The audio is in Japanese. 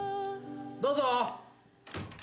どうぞ。